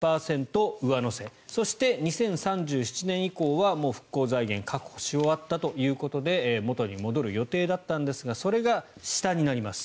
２０３７年まで２．１％上乗せそして２０３７年以降は復興特別所得税を確保し終わったということで元に戻る予定だったんですがそれが下になります。